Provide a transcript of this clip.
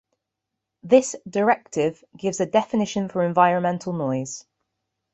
This directive gives a definition for environmental noise.